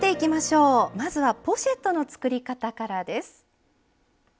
まずはポシェットの作り方からです。